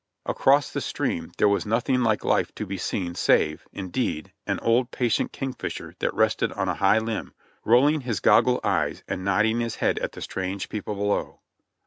Across the stream there was nothing like life to be seen save, indeed, an old patient king fisher that rested on a high limb, rolling his goggle eyes and nodding his head at the strange people below.